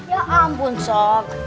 ya ampun sob